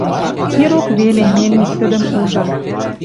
Ирок веле мельник тӹдӹм ужын